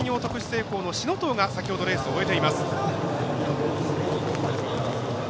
篠藤が先ほどレースを終えています。